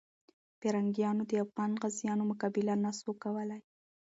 پرنګیانو د افغان غازیانو مقابله نسو کولای.